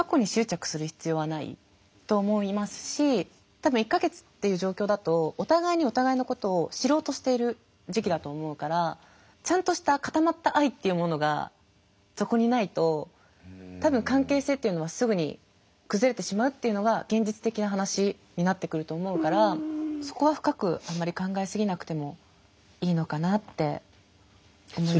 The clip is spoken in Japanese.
多分１か月っていう状況だとお互いにお互いのことを知ろうとしている時期だと思うからちゃんとした固まった愛っていうものがそこにないと多分関係性っていうのはすぐに崩れてしまうっていうのが現実的な話になってくると思うからそこは深くあんまり考え過ぎなくてもいいのかなって思いました。